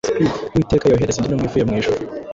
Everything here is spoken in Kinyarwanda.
Uwiteka yohereza indi ntumwa ivuye mu ijuru